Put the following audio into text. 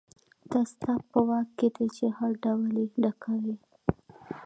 دا ستا په واک کې دي چې هر ډول یې ډکوئ.